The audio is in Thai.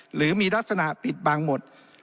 หรือมีลักษณะปิดบังหมด